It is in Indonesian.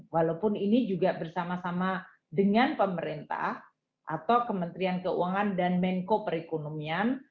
walaupun ini juga bersama sama dengan pemerintah atau kementerian keuangan dan menko perekonomian